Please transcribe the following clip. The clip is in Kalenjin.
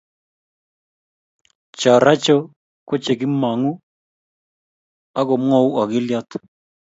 cho racho ko che kimongu ak kumwou agilyot